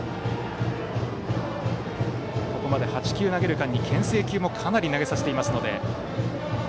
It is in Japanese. ここまで８球投げる間にけん制球もかなり投げさせていますので。